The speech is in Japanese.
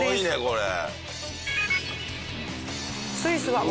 これ。